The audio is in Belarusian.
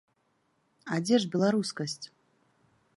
А дзе ж беларускасць?